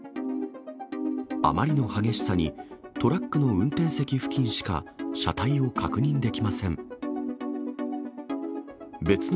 あまりの激しさに、トラックの運転席付近しか、車体を確認できません。